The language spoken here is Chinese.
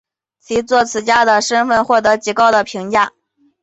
其作词家的身份获得极高的评价。